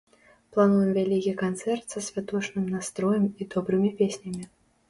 Плануем вялікі канцэрт са святочным настроем і добрымі песнямі.